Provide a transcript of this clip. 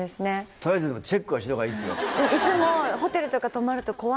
取りあえずチェックはした方がいいですよ。